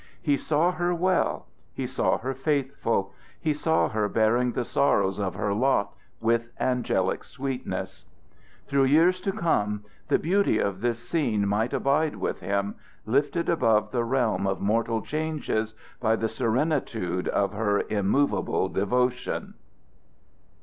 He saw her well; he saw her faithful; he saw her bearing the sorrows of her lot with angelic sweetness. Through years to come the beauty of this scene might abide with him, lifted above the realm of mortal changes by the serenitude of her immovable devotion.